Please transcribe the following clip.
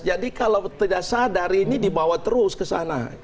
jadi kalau tidak sadar ini dibawa terus ke sana